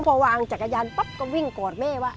พอวางจักรยานปั๊บก็วิ่งกอดแม่ว่า